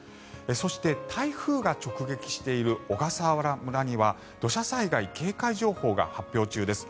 そして、台風が直撃している小笠原村には土砂災害警戒情報が発表中です。